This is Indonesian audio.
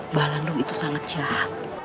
mbah landung itu sangat jahat